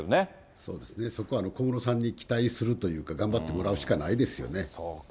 そうですね、そこは小室さんに期待するというか、頑張ってもそうか。